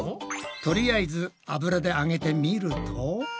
とりあえず油で揚げてみると。